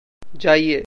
जाइए!